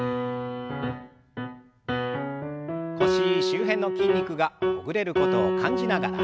腰周辺の筋肉がほぐれることを感じながら。